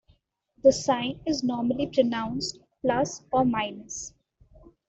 The sign is normally pronounced "plus or minus".